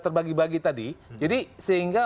terbagi bagi tadi jadi sehingga